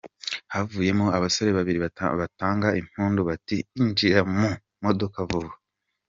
Havuyemo abasore babiri bantunga imbunda bati injira mu modoka vuba.